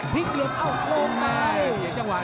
พิมพ์ล้วยหล่อโล่งบ้าย